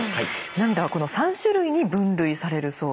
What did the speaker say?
涙はこの３種類に分類されるそうです。